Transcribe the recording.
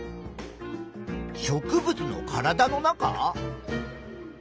植物の体の中？